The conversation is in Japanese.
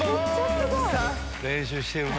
練習してるな。